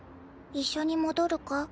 一緒に戻るか？